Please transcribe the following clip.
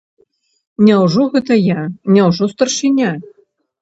Няўжо гэта я, няўжо старшыня?